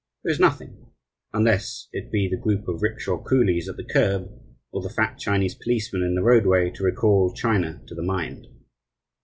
There is nothing, unless it be the group of rickshaw coolies at the curb, or the fat Chinese policeman in the roadway, to recall China to the mind.